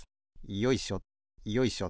よいしょよいしょ。